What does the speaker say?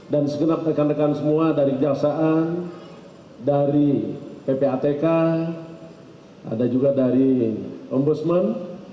dan segenap rekan rekan semua dari jasaan dari ppatk ada juga dari ombudsman